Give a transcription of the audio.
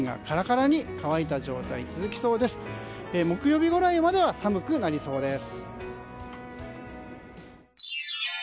木曜日ぐらいまでは寒くなりそうです。